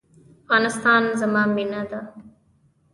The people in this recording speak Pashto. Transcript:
افغانستان زما مینه ده؟